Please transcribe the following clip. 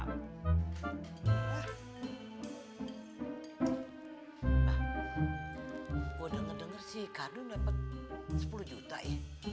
pak gua udah ngedenger sih kado dapet sepuluh juta ya